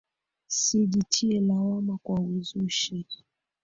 Sijitie lawama kwa uzushi.